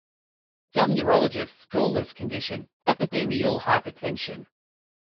Some urologists call this condition "epididymal hypertension".